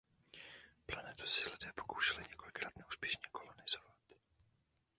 Planetu se lidé pokoušeli několikrát neúspěšně kolonizovat.